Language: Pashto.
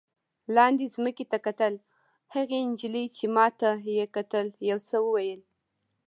لاندې ځمکې ته کتل، هغې نجلۍ چې ما ته یې کتل یو څه وویل.